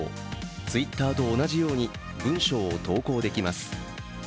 Ｔｗｉｔｔｅｒと同じように文章を投稿できます。